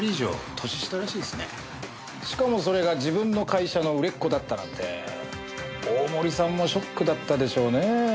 しかもそれが自分の会社の売れっ子だったなんて大森さんもショックだったでしょうね。